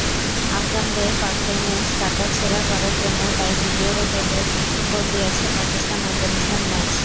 আফগানদের performance কাটাছেঁড়া করার জন্য তাই ভিডিও রেকর্ডে বন্দী আছে পাকিস্তান-আফগানিস্তান ম্যাচ।